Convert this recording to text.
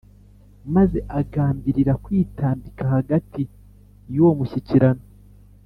Maze agambirira kwitambika hagati y’uwo mushyikirano